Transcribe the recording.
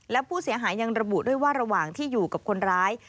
และผู้เสียหายยังระบุด้วยว่าระหว่างที่อยู่กับคนร้าย